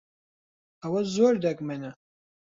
ئەوە زۆر دەگمەنە.